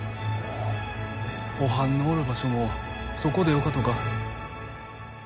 おはんのおる場所もそこでよかとか？